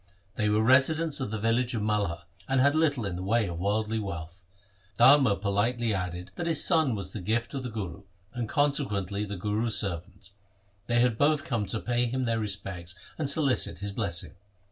They were residents of the village of Malha, and had little in the way of worldly wealth. Dharma politely added that his son was the gift of the Guru and consequently the Guru's servant. They had both come to pay him their respects and solicit his blessing.